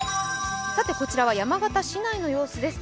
こちらは山形市内の様子です。